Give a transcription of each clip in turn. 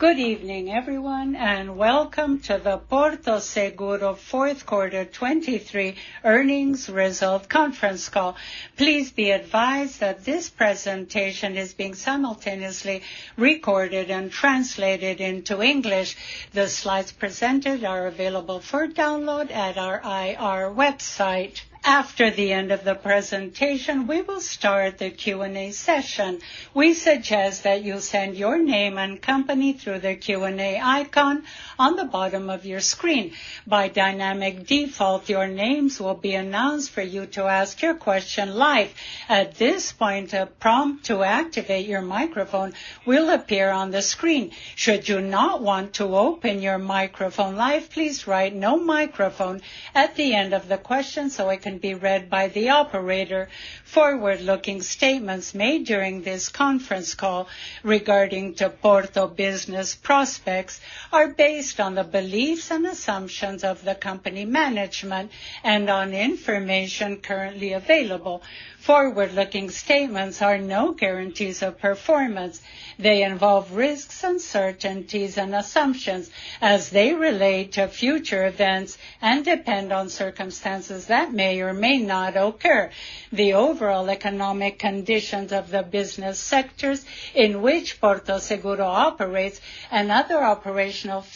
Good evening, everyone, and welcome to the Porto Seguro Fourth Quarter 2023 Earnings Result Conference Call. Please be advised that this presentation is being simultaneously recorded and translated into English. The slides presented are available for download at our IR website. After the end of the presentation, we will start the Q&A session. We suggest that you send your name and company through the Q&A icon on the bottom of your screen. By dynamic default, your names will be announced for you to ask your question live. At this point, a prompt to activate your microphone will appear on the screen. Should you not want to open your microphone live, please write "no microphone" at the end of the question so it can be read by the operator. Forward-looking statements made during this conference call regarding to Porto business prospects are based on the beliefs and assumptions of the company management and on information currently available. Forward-looking statements are no guarantees of performance. They involve risks, uncertainties, and assumptions as they relate to future events and depend on circumstances that may or may not occur. The overall economic conditions of the business sectors in which Porto Seguro operates and other operational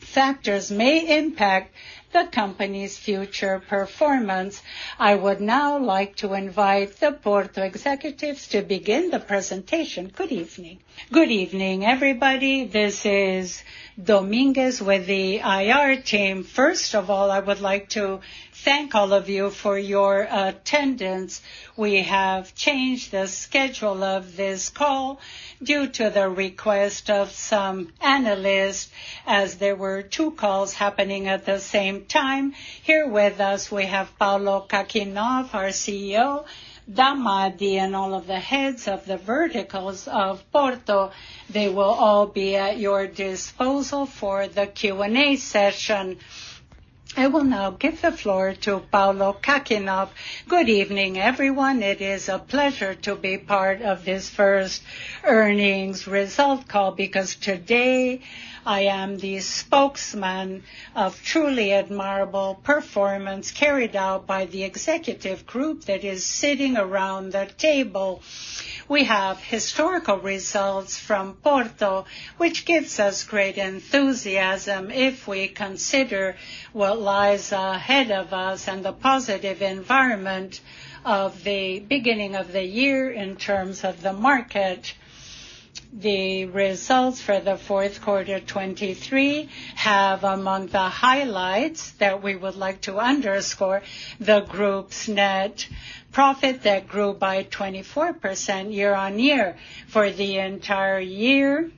factors may impact the company's future performance. I would now like to invite the Porto executives to begin the presentation. Good evening. Good evening, everybody. This is Domingos with the IR team. First of all, I would like to thank all of you for your attendance. We have changed the schedule of this call due to the request of some analysts as there were two calls happening at the same time. Here with us, we have Paulo Kakinoff, our CEO, Celso Damadi, and all of the heads of the verticals of Porto. They will all be at your disposal for the Q&A session. I will now give the floor to Paulo Kakinoff. Good evening, everyone. It is a pleasure to be part of this first earnings result call because today I am the spokesman of truly admirable performance carried out by the executive group that is sitting around the table. We have historical results from Porto, which gives us great enthusiasm if we consider what lies ahead of us and the positive environment of the beginning of the year in terms of the market. The results for the Fourth Quarter 2023 have, among the highlights that we would like to underscore, the group's net profit that grew by 24% year-on-year. For the entire year,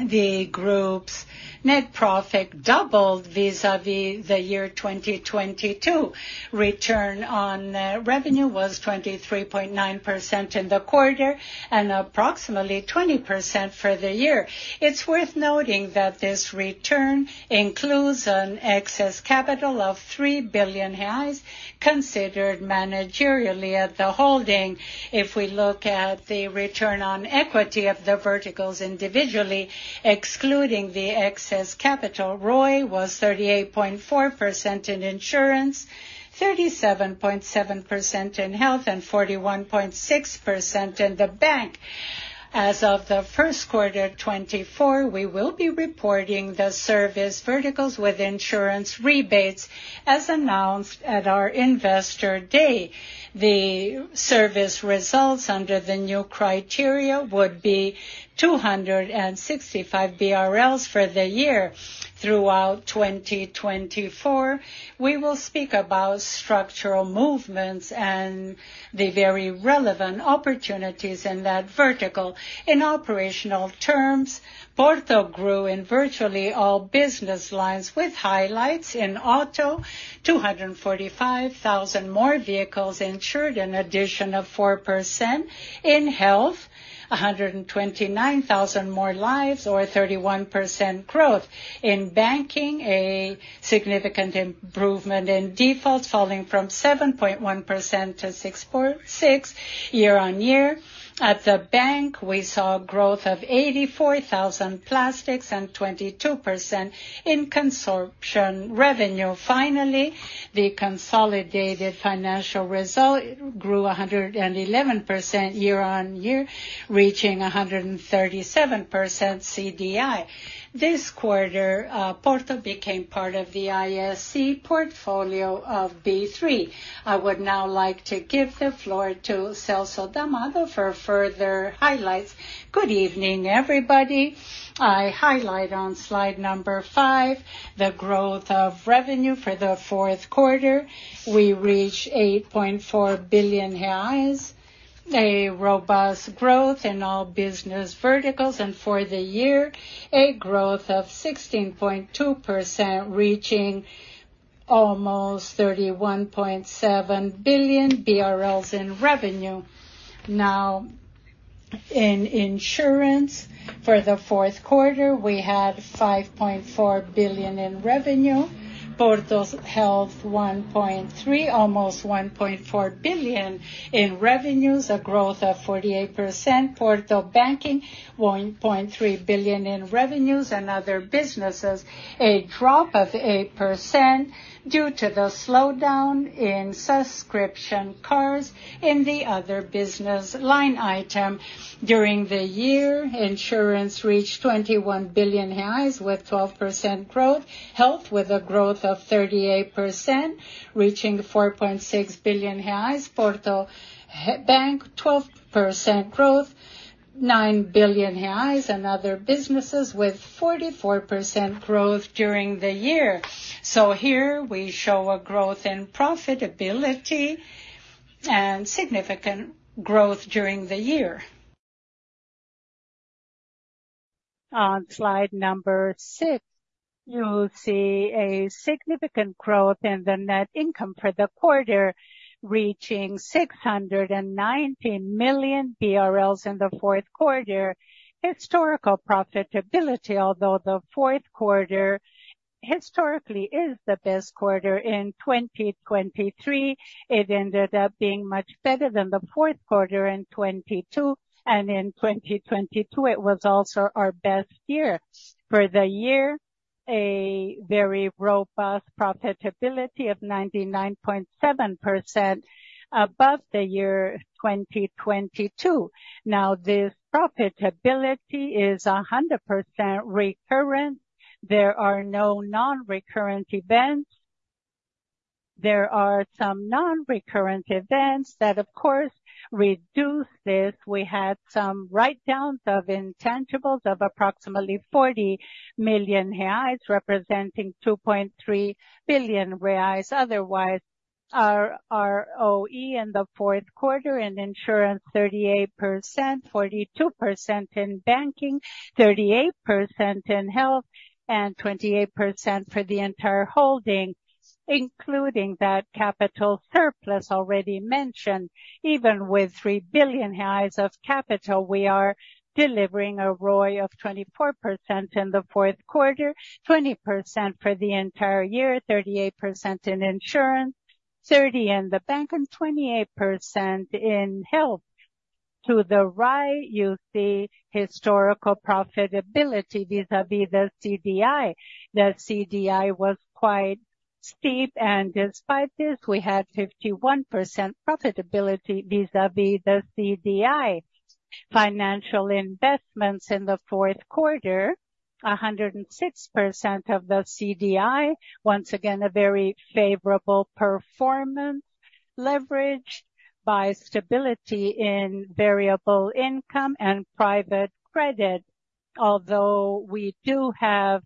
the group's net profit doubled vis-à-vis the year 2022. Return on revenue was 23.9% in the quarter and approximately 20% for the year. It's worth noting that this return includes an excess capital of 3 billion reais considered managerially at the holding. If we look at the return on equity of the verticals individually, excluding the excess capital, ROE was 38.4% in insurance, 37.7% in health, and 41.6% in the bank. As of the First Quarter 2024, we will be reporting the service verticals with insurance rebates as announced at our investor day. The service results under the new criteria would be 265 million BRL for the year throughout 2024. We will speak about structural movements and the very relevant opportunities in that vertical. In operational terms, Porto grew in virtually all business lines with highlights in auto, 245,000 more vehicles insured, an addition of 4%; in health, 129,000 more lives, or 31% growth. In banking, a significant improvement in defaults falling from 7.1%-6.6% year-on-year. At the bank, we saw growth of 84,000 plastics and 22% in consumption revenue. Finally, the consolidated financial result grew 111% year-on-year, reaching 137% CDI. This quarter, Porto became part of the ISE portfolio of B3. I would now like to give the floor to Celso Damadi for further highlights. Good evening, everybody. I highlight on slide number five the growth of revenue for the fourth quarter. We reached 8.4 billion reais, a robust growth in all business verticals, and for the year, a growth of 16.2% reaching almost 31.7 billion BRL in revenue. Now, in insurance, for the fourth quarter, we had 5.4 billion in revenue. Porto Health, 1.3 billion-almost 1.4 billion in revenues, a growth of 48%. Porto Banking, 1.3 billion in revenues and other businesses, a drop of 8% due to the slowdown in subscription cars in the other business line item. During the year, insurance reached 21 billion with 12% growth. Health with a growth of 38% reaching 4.6 billion reais. Porto Bank, 12% growth, 9 billion reais, and other businesses with 44% growth during the year. So here we show a growth in profitability and significant growth during the year. On slide number six, you'll see a significant growth in the net income for the quarter, reaching 619 million BRL in the Fourth Quarter. Historical profitability, although the Fourth Quarter historically is the best quarter in 2023, it ended up being much better than the Fourth Quarter in 2022, and in 2022, it was also our best year. For the year, a very robust profitability of 99.7% above the year 2022. Now, this profitability is 100% recurrent. There are no non-recurrent events. There are some non-recurrent events that, of course, reduce this. We had some write-downs of intangibles of approximately 40 million reais, representing 2.3 billion reais. Otherwise, ROE in the Fourth Quarter in insurance, 38%, 42% in banking, 38% in health, and 28% for the entire holding, including that capital surplus already mentioned. Even with 3 billion of capital, we are delivering a ROE of 24% in the Fourth Quarter, 20% for the entire year, 38% in insurance, 30% in the bank, and 28% in health. To the right, you see historical profitability vis-à-vis the CDI. The CDI was quite steep, and despite this, we had 51% profitability vis-à-vis the CDI. Financial investments in the Fourth Quarter, 106% of the CDI. Once again, a very favorable performance leverage by stability in variable income and private credit. Although we do have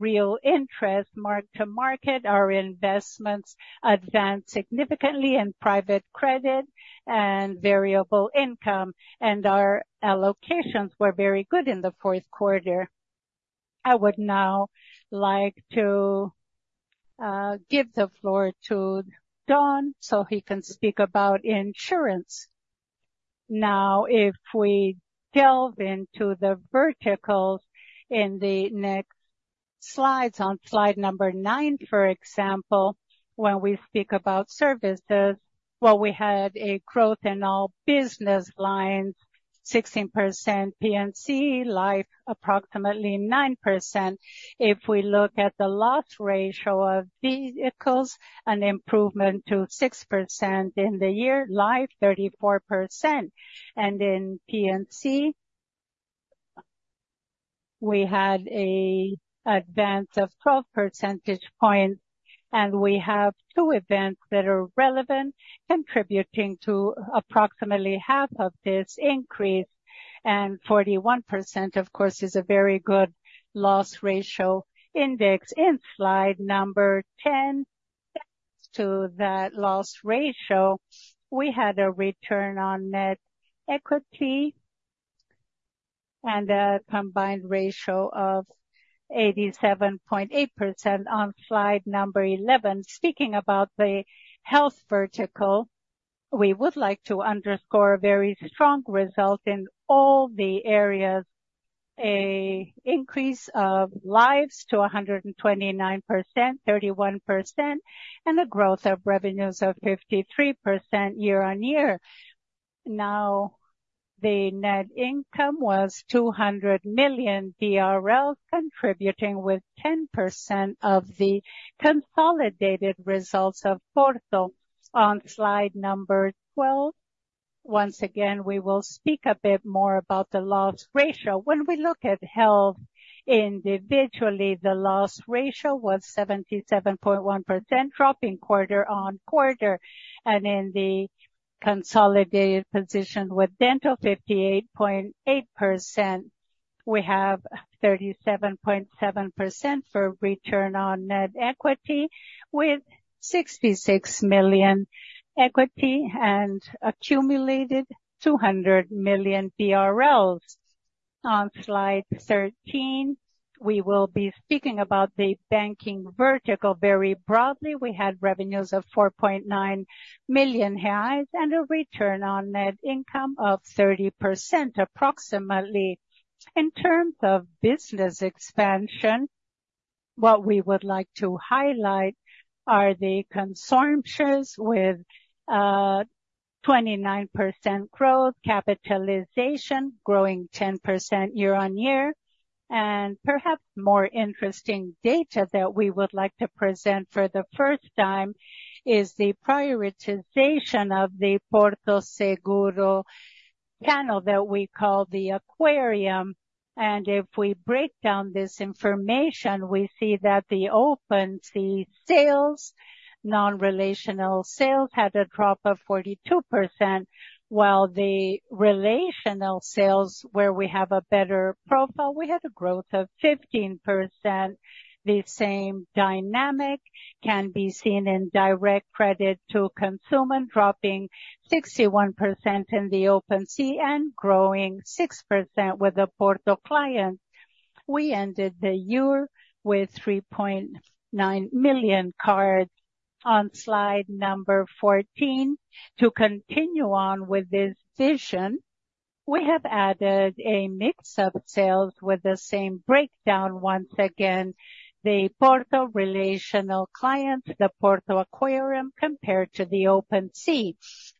real interest marked to market, our investments advanced significantly in private credit and variable income, and our allocations were very good in the Fourth Quarter. I would now like to give the floor to Don so he can speak about insurance. Now, if we delve into the verticals in the next slides, on slide number nine, for example, when we speak about services, well, we had a growth in all business lines, 16% P&C, life approximately 9%. If we look at the loss ratio of vehicles, an improvement to 6% in the year, life 34%. In P&C, we had an advance of 12 percentage points. We have two events that are relevant, contributing to approximately half of this increase. 41%, of course, is a very good loss ratio index. In slide number 10, thanks to that loss ratio, we had a return on net equity and a combined ratio of 87.8%. On slide number 11, speaking about the health vertical, we would like to underscore a very strong result in all the areas: an increase of lives to 129%, 31%, and a growth of revenues of 53% year-on-year. Now, the net income was 200 million, contributing with 10% of the consolidated results of Porto. On slide number 12, once again, we will speak a bit more about the loss ratio. When we look at health individually, the loss ratio was 77.1%, dropping quarter-on-quarter. And in the consolidated position with dental, 58.8%. We have 37.7% for return on net equity with 66 million equity and accumulated 200 million BRL. On slide 13, we will be speaking about the banking vertical very broadly. We had revenues of 4.9 million reais and a return on net income of 30% approximately. In terms of business expansion, what we would like to highlight are the consortiums with 29% growth, capitalization growing 10% year-on-year. Perhaps more interesting data that we would like to present for the first time is the prioritization of the Porto Seguro panel that we call the aquarium. And if we break down this information, we see that the open sea sales, non-relational sales, had a drop of 42%, while the relational sales, where we have a better profile, we had a growth of 15%. The same dynamic can be seen in direct credit to consumer, dropping 61% in the open sea and growing 6% with the Porto clients. We ended the year with 3.9 million cards. On slide number 14, to continue on with this vision, we have added a mix of sales with the same breakdown once again: the Porto relational clients, the Porto aquarium compared to the open sea,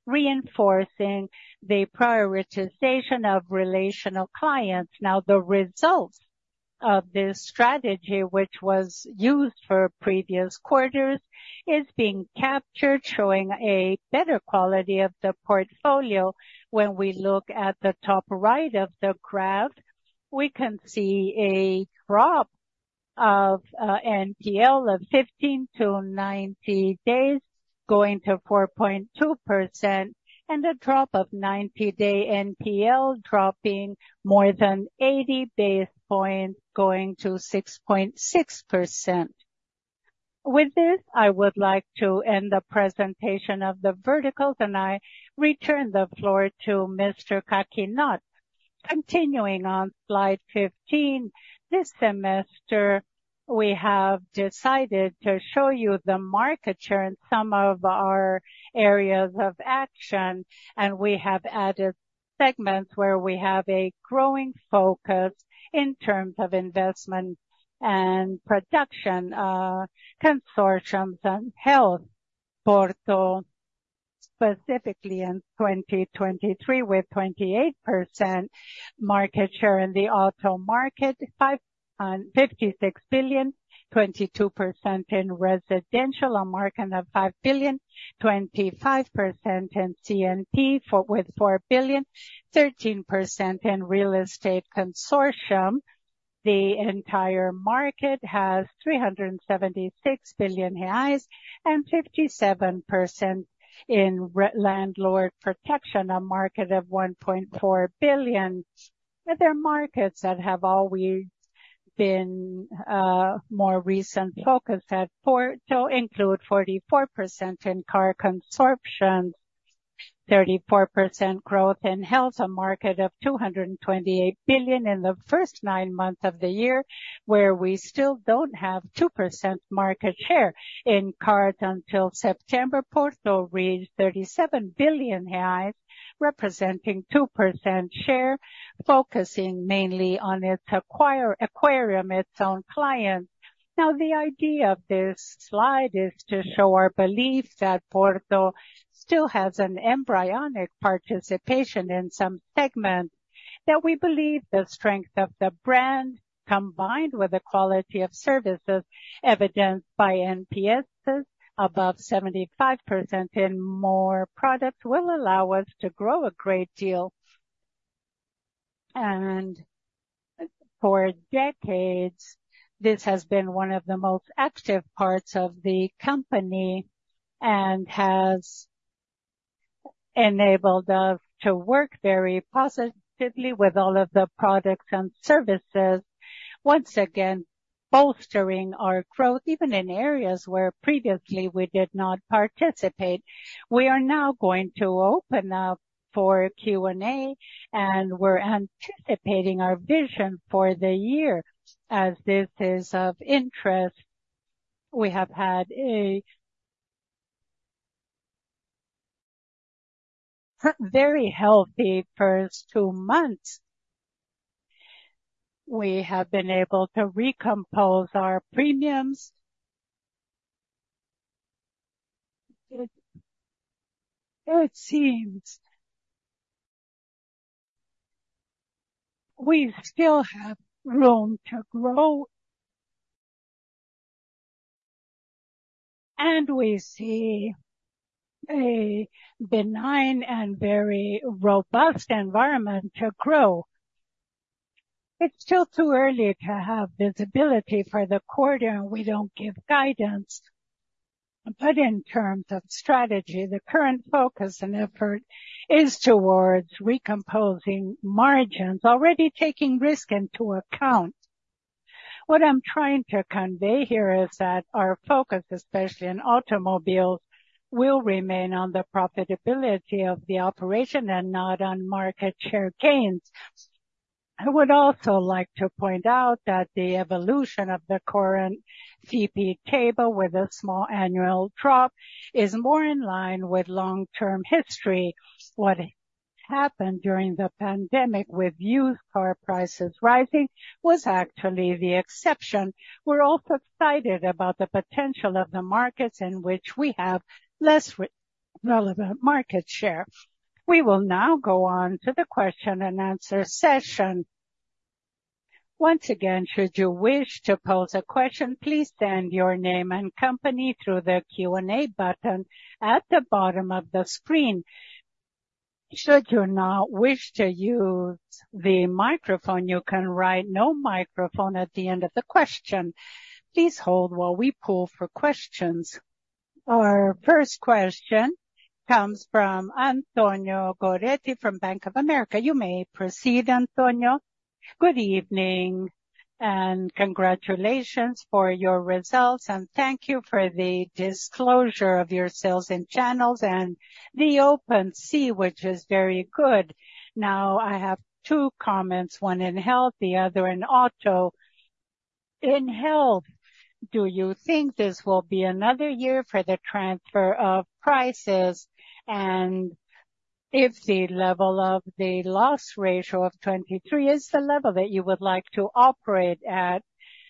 reinforcing the prioritization of relational clients. Now, the results of this strategy, which was used for previous quarters, are being captured, showing a better quality of the portfolio. When we look at the top right of the graph, we can see a drop of NPL of 15-90 days, going to 4.2%, and a drop of 90-day NPL, dropping more than 80 base points, going to 6.6%. With this, I would like to end the presentation of the verticals, and I return the floor to Mr. Kakinoff. Continuing on slide 15, this semester we have decided to show you the market chart and some of our areas of action. We have added segments where we have a growing focus in terms of investment and protection, consortiums and health. Porto specifically in 2023 with 28% market share in the auto market, 56 billion, 22% in residential, a market of 5 billion, 25% in P&C with 4 billion, 13% in real estate consortium. The entire market has 376 billion reais and 57% in landlord protection, a market of 1.4 billion. There are markets that have always been more recent focus at Porto, include 44% in car consortiums, 34% growth in health, a market of 228 billion in the first nine months of the year, where we still don't have 2% market share in cars until September. Porto reached 37 billion reais, representing 2% share, focusing mainly on its own clients. Now, the idea of this slide is to show our belief that Porto still has an embryonic participation in some segments. That we believe the strength of the brand, combined with the quality of services evidenced by NPSs above 75% in more products, will allow us to grow a great deal. For decades, this has been one of the most active parts of the company and has enabled us to work very positively with all of the products and services, once again bolstering our growth, even in areas where previously we did not participate. We are now going to open up for Q&A, and we're anticipating our vision for the year, as this is of interest. We have had a very healthy first two months. We have been able to recompose our premiums. It seems we still have room to grow, and we see a benign and very robust environment to grow. It's still too early to have visibility for the quarter, and we don't give guidance. In terms of strategy, the current focus and effort is towards recomposing margins, already taking risk into account. What I'm trying to convey here is that our focus, especially in automobiles, will remain on the profitability of the operation and not on market share gains. I would also like to point out that the evolution of the current FIPE table, with a small annual drop, is more in line with long-term history. What happened during the pandemic with used car prices rising was actually the exception. We're also excited about the potential of the markets in which we have less relevant market share. We will now go on to the question and answer session. Once again, should you wish to pose a question, please send your name and company through the Q&A button at the bottom of the screen. Should you not wish to use the microphone, you can write "no microphone" at the end of the question. Please hold while we pull for questions. Our first question comes from Antonio Ruette from Bank of America. You may proceed, Antonio. Good evening and congratulations for your results, and thank you for the disclosure of your sales and channels and the open sea, which is very good. Now, I have two comments, one in health, the other in auto. In health, do you think this will be another year for the transfer of prices? And if the level of the loss ratio of 23% is the level that you would like to operate at,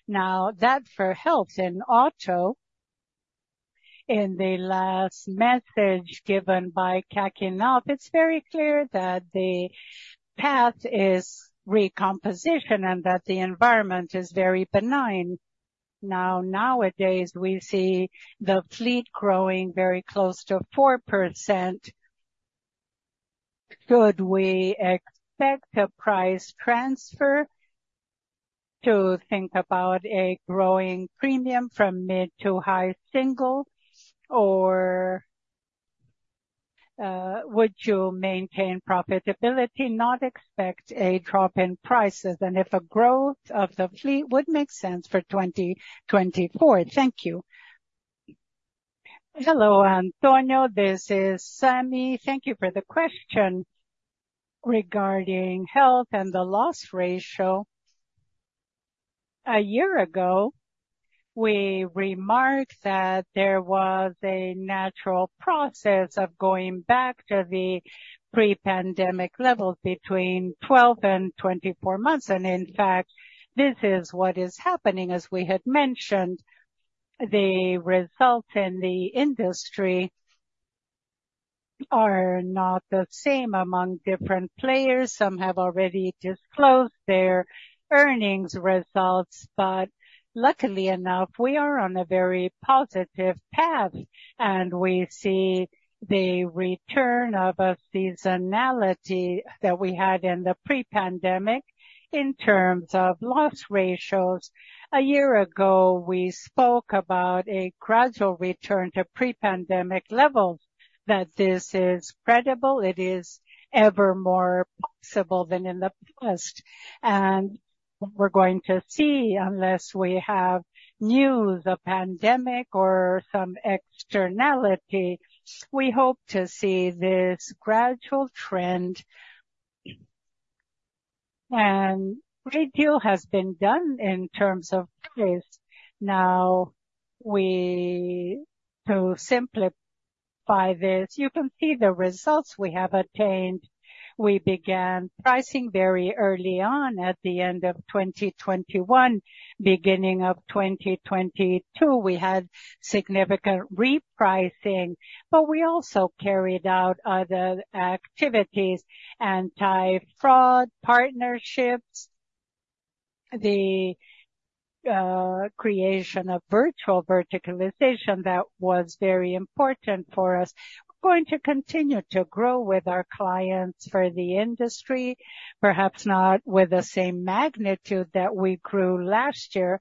now that for health in auto. In the last message given by Kakinoff, it's very clear that the path is recomposition and that the environment is very benign. Now, nowadays we see the fleet growing very close to 4%. Should we expect a price transfer to think about a growing premium from mid- to high-single? Or would you maintain profitability, not expect a drop in prices? And if a growth of the fleet would make sense for 2024. Thank you. Hello, Antonio. This is Sami Foguel. Thank you for the question regarding health and the loss ratio. A year ago, we remarked that there was a natural process of going back to the pre-pandemic levels between 12 and 24 months. And in fact, this is what is happening. As we had mentioned, the results in the industry are not the same among different players. Some have already disclosed their earnings results. Luckily enough, we are on a very positive path, and we see the return of a seasonality that we had in the pre-pandemic in terms of loss ratios. A year ago, we spoke about a gradual return to pre-pandemic levels. That this is credible. It is ever more possible than in the past. We're going to see, unless we have a new pandemic or some externality, we hope to see this gradual trend. A great deal has been done in terms of price. Now, to simplify this, you can see the results we have attained. We began pricing very early on at the end of 2021. Beginning of 2022, we had significant repricing. But we also carried out other activities: anti-fraud partnerships, the creation of virtual verticalization that was very important for us. We're going to continue to grow with our clients for the industry, perhaps not with the same magnitude that we grew last year.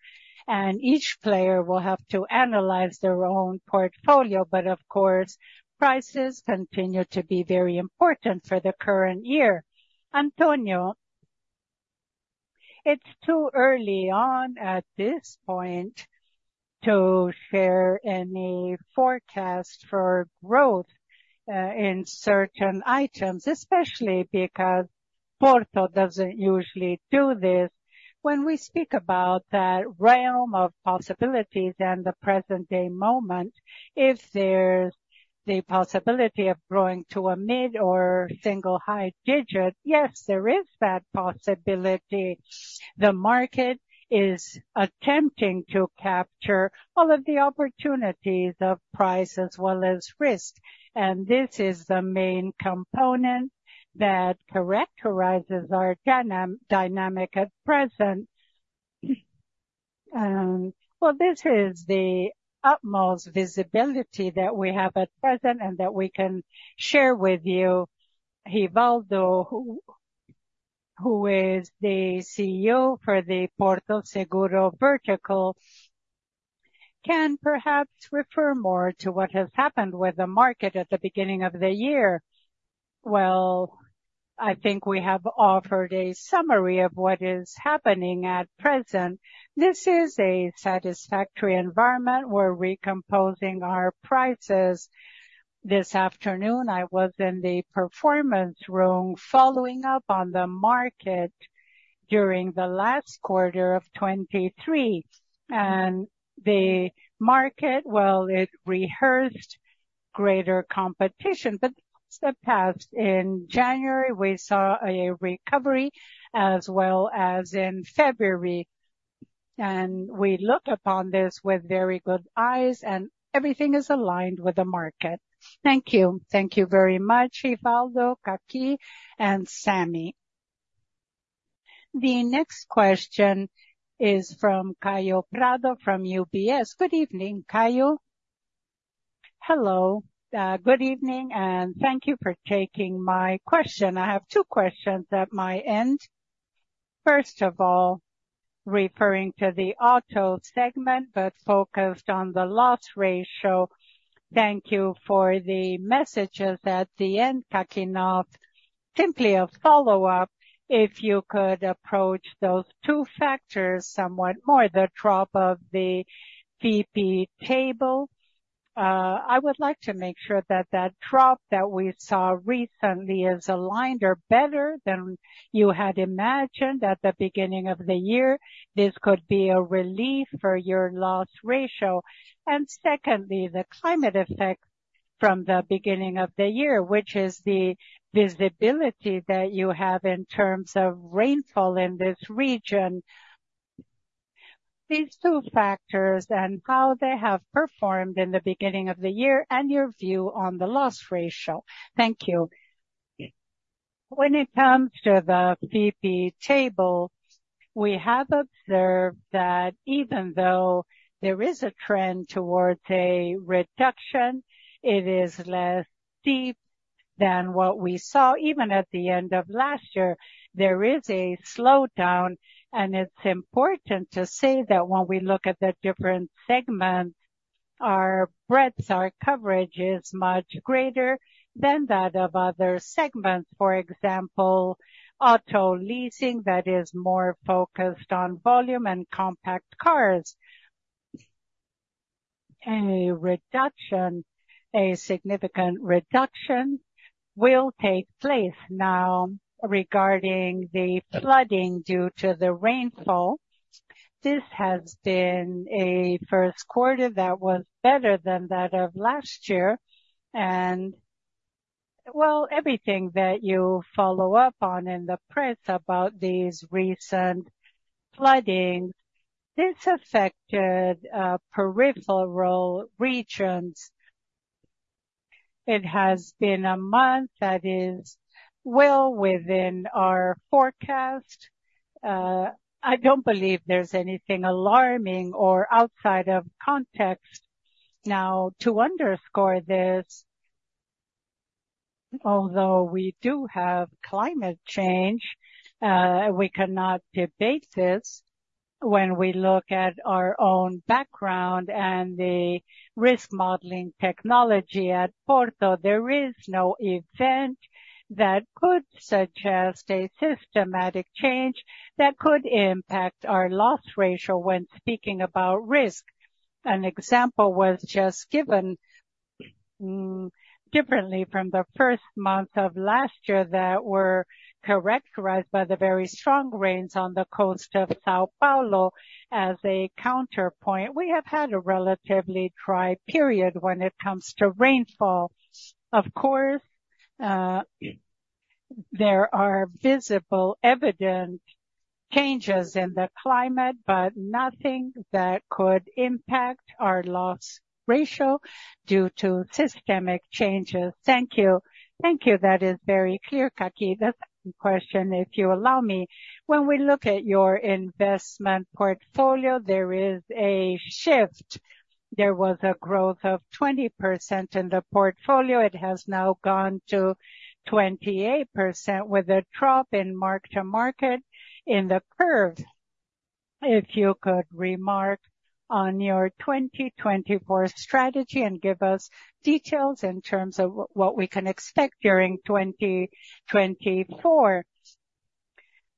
Each player will have to analyze their own portfolio. Of course, prices continue to be very important for the current year. Antonio, it's too early on at this point to share any forecast for growth, in certain items, especially because Porto doesn't usually do this. When we speak about that realm of possibilities and the present-day moment, if there's the possibility of growing to a mid or single high digit, yes, there is that possibility. The market is attempting to capture all of the opportunities of price as well as risk. This is the main component that characterizes our dynamic at present. Well, this is the utmost visibility that we have at present and that we can share with you. Rivaldo, who is the CEO for the Porto Seguro vertical, can perhaps refer more to what has happened with the market at the beginning of the year. Well, I think we have offered a summary of what is happening at present. This is a satisfactory environment. We're recomposing our prices this afternoon. I was in the performance room following up on the market during the last quarter of 2023. And the market, well, it rehearsed greater competition. But the past, in January, we saw a recovery as well as in February. And we look upon this with very good eyes, and everything is aligned with the market. Thank you. Thank you very much, Rivaldo, Kakinoff, and Sami. The next question is from Kaio Prato from UBS. Good evening, Kaio. Hello. Good evening, and thank you for taking my question. I have two questions at my end. First of all, referring to the auto segment but focused on the loss ratio, thank you for the messages at the end, Kakinoff. Simply a follow-up. If you could approach those two factors somewhat more, the drop of the FIPE table, I would like to make sure that that drop that we saw recently is aligned or better than you had imagined at the beginning of the year. This could be a relief for your loss ratio. And secondly, the climate effects from the beginning of the year, which is the visibility that you have in terms of rainfall in this region. These two factors and how they have performed in the beginning of the year and your view on the loss ratio. Thank you. When it comes to the FIPE table, we have observed that even though there is a trend towards a reduction, it is less deep than what we saw even at the end of last year. There is a slowdown. It's important to say that when we look at the different segments, our breadth, our coverage is much greater than that of other segments. For example, auto leasing that is more focused on volume and compact cars. A reduction, a significant reduction will take place. Now, regarding the flooding due to the rainfall, this has been a first quarter that was better than that of last year. Well, everything that you follow up on in the press about these recent floodings, this affected peripheral regions. It has been a month that is well within our forecast. I don't believe there's anything alarming or outside of context now to underscore this. Although we do have climate change, we cannot debate this. When we look at our own background and the risk modeling technology at Porto, there is no event that could suggest a systematic change that could impact our loss ratio when speaking about risk. An example was just given differently from the first months of last year that were characterized by the very strong rains on the coast of São Paulo as a counterpoint. We have had a relatively dry period when it comes to rainfall. Of course, there are visible evident changes in the climate, but nothing that could impact our loss ratio due to systemic changes. Thank you. Thank you. That is very clear, Kaki. The second question, if you allow me, when we look at your investment portfolio, there is a shift. There was a growth of 20% in the portfolio. It has now gone to 28% with a drop in mark-to-market in the curve. If you could remark on your 2024 strategy and give us details in terms of what we can expect during 2024?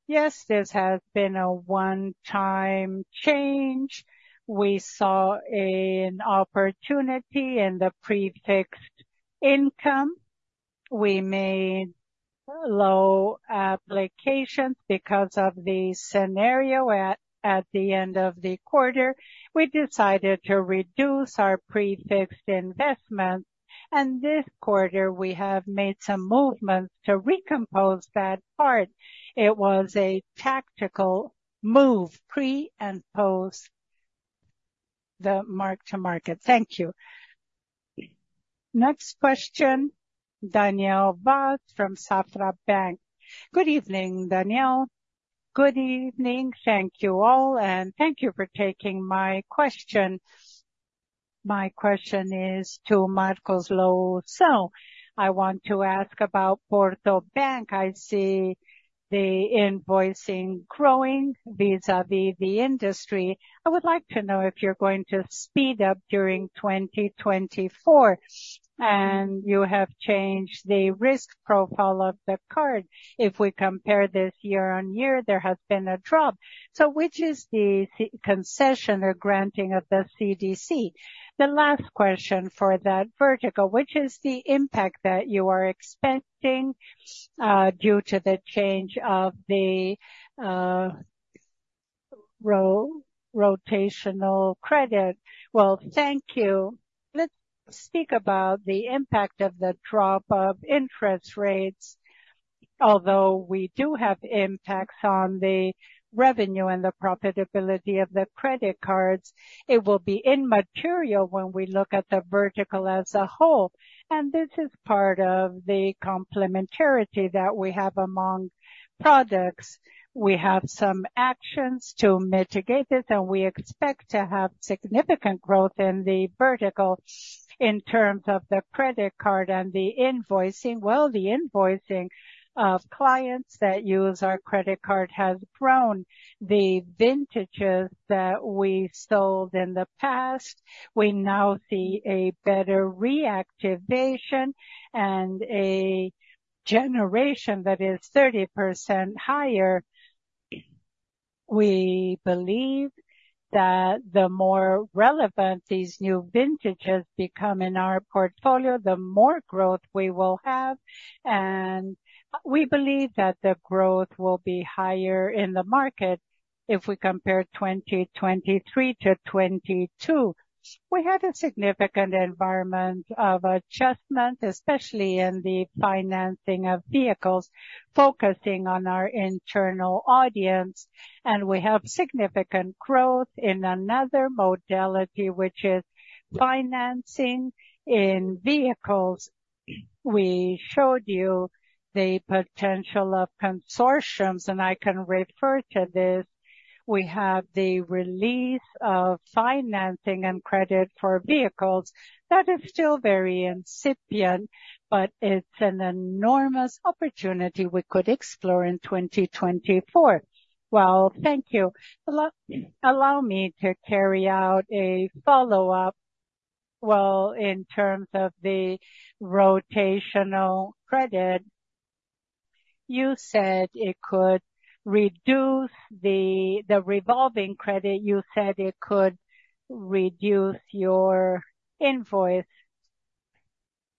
Yes, this has been a one-time change. We saw an opportunity in the prefixed income. We made low applications because of the scenario at the end of the quarter. We decided to reduce our prefixed investments. And this quarter, we have made some movements to recompose that part. It was a tactical move pre and post the mark-to-market. Thank you. Next question, Daniel Vaz from Safra Bank. Good evening, Daniel. Good evening. Thank you all. And thank you for taking my question. My question is to Marcos Loução. So I want to ask about Porto Bank. I see the invoicing growing vis-à-vis the industry. I would like to know if you're going to speed up during 2024. You have changed the risk profile of the card. If we compare this year-over-year, there has been a drop. Which is the concession or granting of the CDC? The last question for that vertical, which is the impact that you are expecting due to the change of the revolving credit? Well, thank you. Let's speak about the impact of the drop of interest rates. Although we do have impacts on the revenue and the profitability of the credit cards, it will be immaterial when we look at the vertical as a whole. This is part of the complementarity that we have among products. We have some actions to mitigate this, and we expect to have significant growth in the vertical in terms of the credit card and the invoicing. Well, the invoicing of clients that use our credit card has grown. The vintages that we sold in the past, we now see a better reactivation and a generation that is 30% higher. We believe that the more relevant these new vintages become in our portfolio, the more growth we will have. We believe that the growth will be higher in the market if we compare 2023 to 2022. We had a significant environment of adjustment, especially in the financing of vehicles, focusing on our internal audience. We have significant growth in another modality, which is financing in vehicles. We showed you the potential of consortiums, and I can refer to this. We have the release of financing and credit for vehicles. That is still very incipient, but it's an enormous opportunity we could explore in 2024. Well, thank you. Allow me to carry out a follow-up. Well, in terms of the rotational credit, you said it could reduce the revolving credit. You said it could reduce your invoice.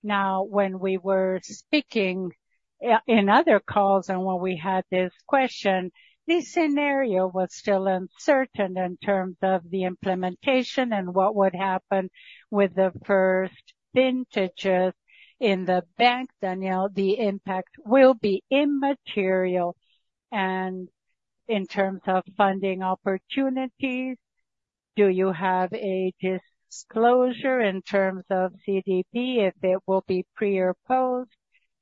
Now, when we were speaking in other calls and when we had this question, this scenario was still uncertain in terms of the implementation and what would happen with the first vintages in the bank, Danielle. The impact will be immaterial. And in terms of funding opportunities, do you have a disclosure in terms of CDI if it will be pre or post,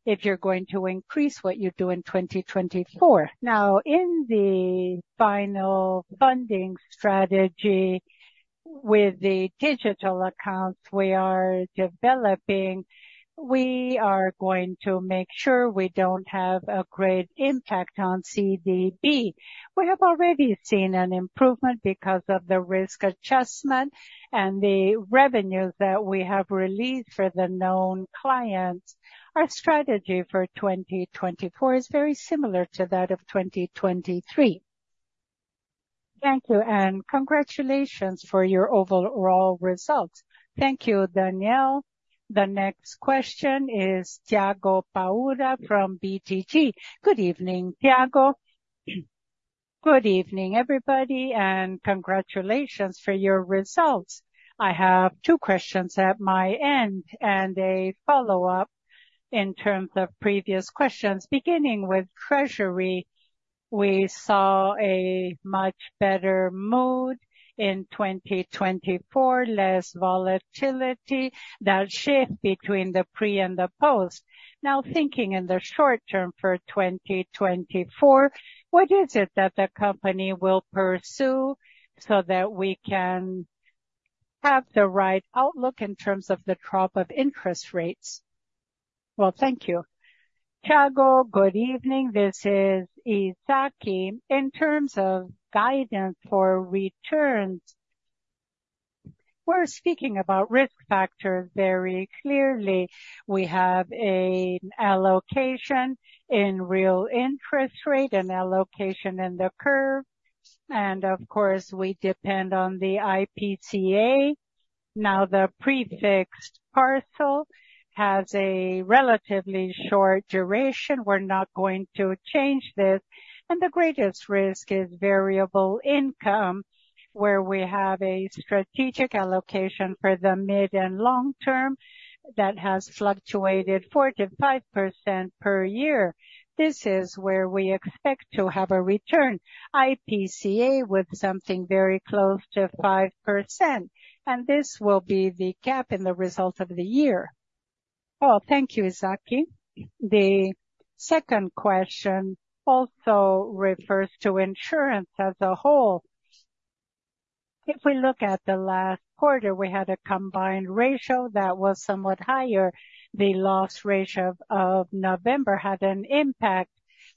if you're going to increase what you do in 2024? Now, in the final funding strategy with the digital accounts we are developing, we are going to make sure we don't have a great impact on CDB. We have already seen an improvement because of the risk adjustment and the revenues that we have released for the known clients. Our strategy for 2024 is very similar to that of 2023. Thank you. And congratulations for your overall results. Thank you, Daniel. The next question is Tiago Paura from BTG. Good evening, Tiago. Good evening, everybody, and congratulations for your results. I have two questions at my end and a follow-up in terms of previous questions. Beginning with Treasury, we saw a much better mood in 2024, less volatility, that shift between the pre and the post. Now, thinking in the short term for 2024, what is it that the company will pursue so that we can have the right outlook in terms of the drop of interest rates? Well, thank you, Tiago. Good evening. This is Izak. In terms of guidance for returns, we're speaking about risk factors very clearly. We have an allocation in real interest rate, an allocation in the curve. Of course, we depend on the IPCA. Now, the prefixed parcel has a relatively short duration. We're not going to change this. The greatest risk is variable income, where we have a strategic allocation for the mid and long term that has fluctuated 4%-5% per year. This is where we expect to have a return IPCA with something very close to 5%. This will be the cap in the result of the year. Oh, thank you, Izak. The second question also refers to insurance as a whole. If we look at the last quarter, we had a combined ratio that was somewhat higher. The loss ratio of November had an impact.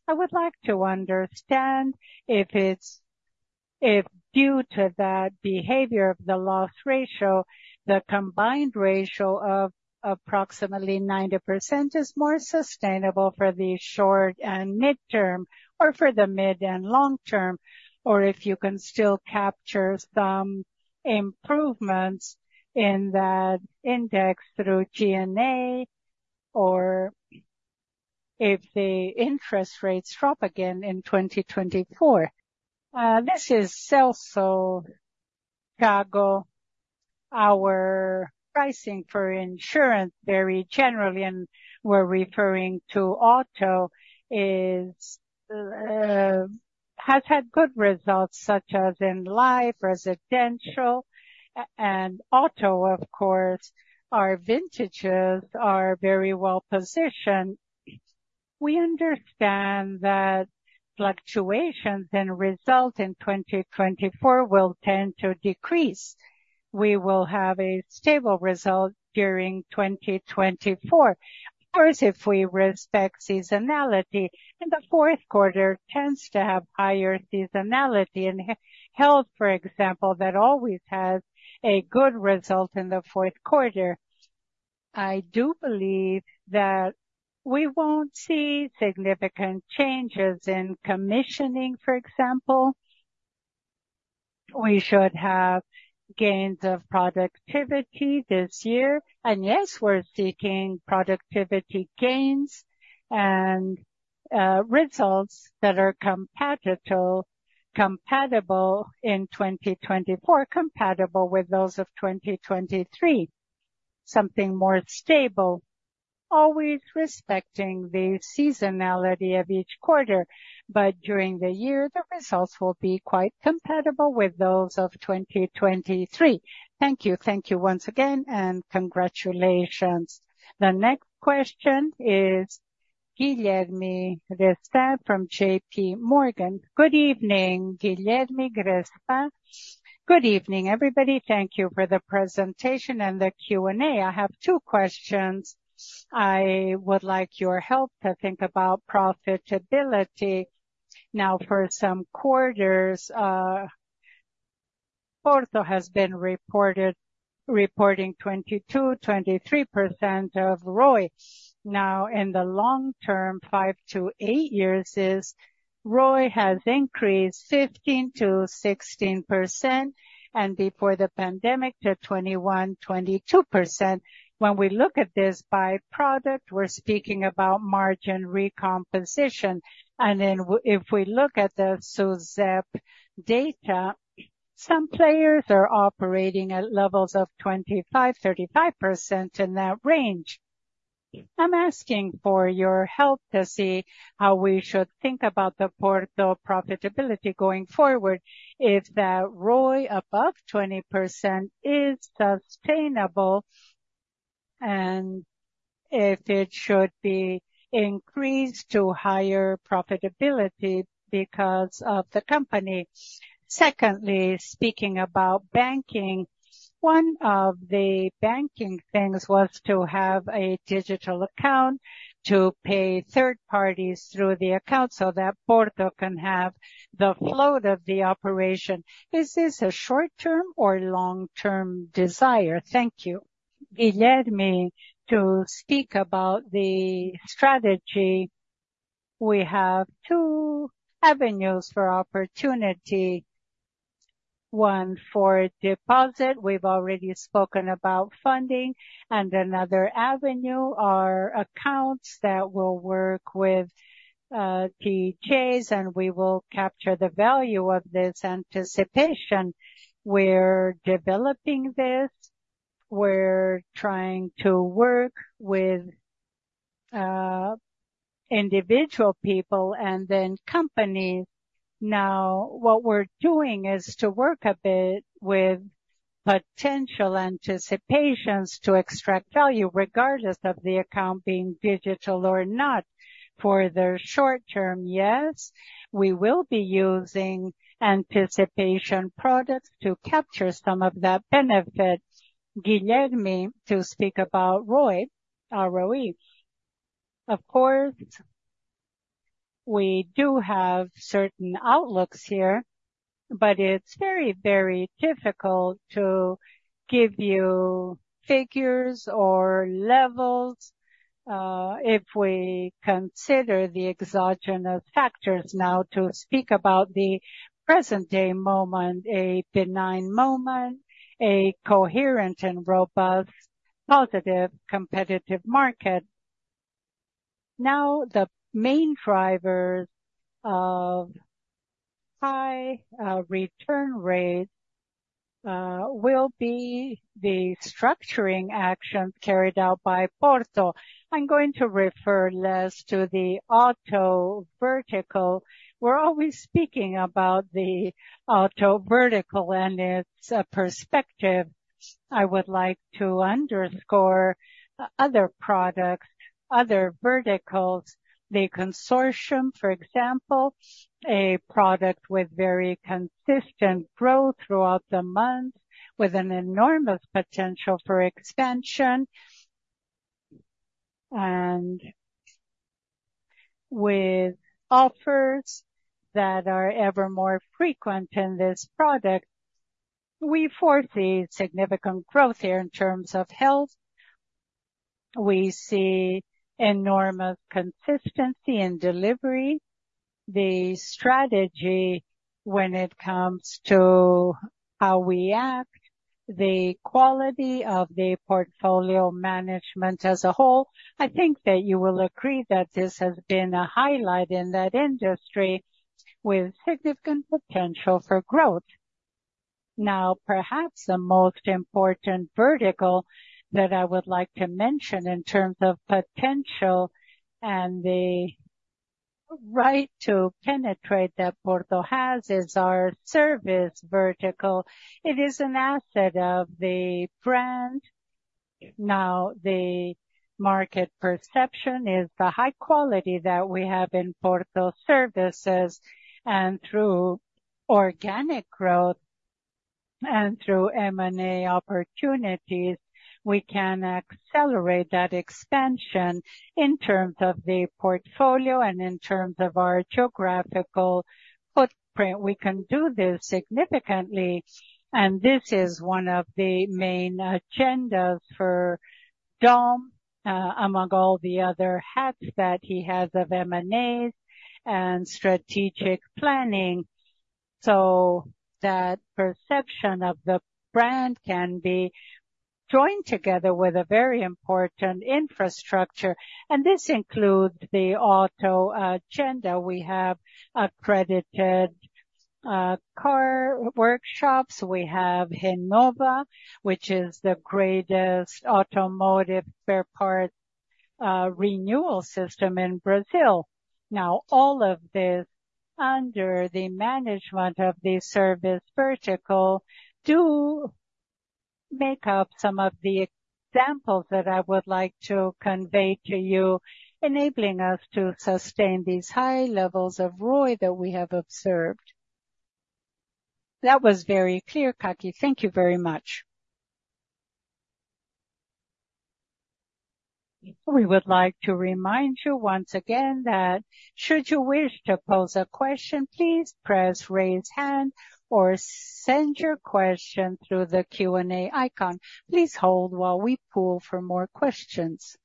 I would like to understand if it's due to that behavior of the loss ratio, the combined ratio of approximately 90% is more sustainable for the short and mid-term or for the mid and long term, or if you can still capture some improvements in that index through G&A or if the interest rates drop again in 2024. This is Celso, Tiago. Our pricing for insurance very generally, and we're referring to auto, has had good results such as in life, residential, and auto, of course. Our vintages are very well positioned. We understand that fluctuations in results in 2024 will tend to decrease. We will have a stable result during 2024, of course, if we respect seasonality. And the fourth quarter tends to have higher seasonality. And health, for example, that always has a good result in the fourth quarter. I do believe that we won't see significant changes in commissioning, for example. We should have gains of productivity this year. And yes, we're seeking productivity gains and results that are compatible in 2024, compatible with those of 2023, something more stable, always respecting the seasonality of each quarter. But during the year, the results will be quite compatible with those of 2023. Thank you. Thank you once again, and congratulations. The next question is Guilherme Grespan from JP Morgan. Good evening, Guilherme Grespan. Good evening, everybody. Thank you for the presentation and the Q&A. I have two questions. I would like your help to think about profitability. Now, for some quarters, Porto has been reporting 22%-23% ROE. Now, in the long term, five to eight years, ROE has increased 15%-16%, and before the pandemic, to 21%-22%. When we look at this by product, we're speaking about margin recomposition. Then if we look at the SUSEP data, some players are operating at levels of 25%-35%. I'm asking for your help to see how we should think about the Porto profitability going forward, if that ROE above 20% is sustainable and if it should be increased to higher profitability because of the company. Secondly, speaking about banking, one of the banking things was to have a digital account to pay third parties through the account so that Porto can have the float of the operation. Is this a short-term or long-term desire? Thank you. Guilherme, to speak about the strategy, we have two avenues for opportunity. One for deposit. We've already spoken about funding. Another avenue are accounts that will work with PJs, and we will capture the value of this anticipation. We're developing this. We're trying to work with individual people and then companies. Now, what we're doing is to work a bit with potential anticipations to extract value, regardless of the account being digital or not. For the short term, yes, we will be using anticipation products to capture some of that benefit. Guilherme, to speak about ROE, of course, we do have certain outlooks here, but it's very, very difficult to give you figures or levels if we consider the exogenous factors. Now, to speak about the present-day moment, a benign moment, a coherent and robust positive competitive market. Now, the main drivers of high return rates will be the structuring actions carried out by Porto. I'm going to refer less to the auto vertical. We're always speaking about the auto vertical and its perspective. I would like to underscore other products, other verticals, the consortium, for example, a product with very consistent growth throughout the months with an enormous potential for expansion. And with offers that are ever more frequent in this product, we foresee significant growth here in terms of health. We see enormous consistency in delivery, the strategy when it comes to how we act, the quality of the portfolio management as a whole. I think that you will agree that this has been a highlight in that industry with significant potential for growth. Now, perhaps the most important vertical that I would like to mention in terms of potential and the right to penetrate that Porto has is our service vertical. It is an asset of the brand. Now, the market perception is the high quality that we have in Porto Services. And through organic growth and through M&A opportunities, we can accelerate that expansion in terms of the portfolio and in terms of our geographical footprint. We can do this significantly. And this is one of the main agendas for Dom among all the other hats that he has of M&As and strategic planning so that perception of the brand can be joined together with a very important infrastructure. And this includes the auto agenda. We have accredited car workshops. We have Renova, which is the greatest automotive spare parts renewal system in Brazil. Now, all of this under the management of the service vertical do make up some of the examples that I would like to convey to you, enabling us to sustain these high levels of ROE that we have observed. That was very clear, Kaki. Thank you very much. We would like to remind you once again that should you wish to pose a question, please press raise hand or send your question through the Q&A icon. Please hold while we pull for more questions.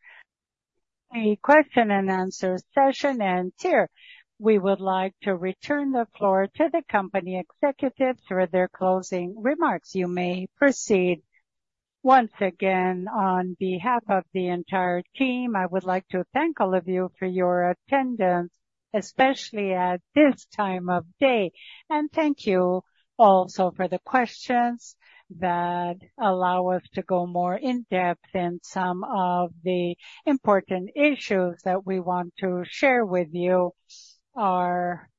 The question and answer session ends here. We would like to return the floor to the company executives for their closing remarks. You may proceed. Once again, on behalf of the entire team, I would like to thank all of you for your attendance, especially at this time of day. And thank you also for the questions that allow us to go more in depth in some of the important issues that we want to share with you. Our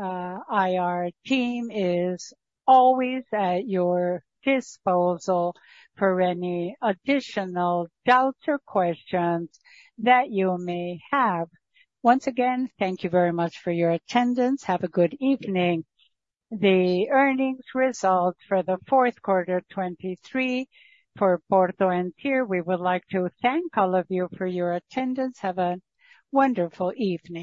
IR team is always at your disposal for any additional doubts or questions that you may have. Once again, thank you very much for your attendance. Have a good evening. The earnings results for the fourth quarter 2023 for Porto ends here. We would like to thank all of you for your attendance. Have a wonderful evening.